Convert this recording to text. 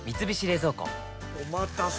おまたせ！